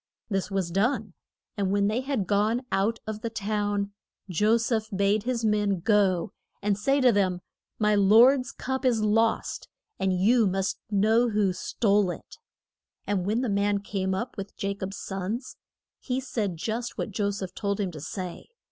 This was done, and when they had gone out of the town Jo seph bade his man go and say to them: My lord's cup is lost, and you must know who stole it. And when the man came up with Ja cob's sons, he said just what Jo seph told him to say.